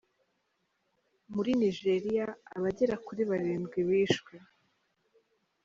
Muri Nigeriya abagera kuri barindwi bishwe